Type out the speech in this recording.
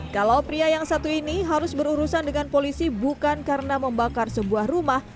kalau pria yang satu ini harus berurusan dengan polisi bukan karena membakar sebuah rumah